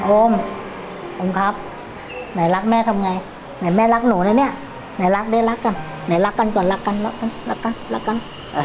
โอมโอมครับไหนรักแม่ทำไงไหนแม่รักหนูนะเนี่ยไหนรักได้รักกันไหนรักกันก่อนรักกันรักกันรักกันรักกัน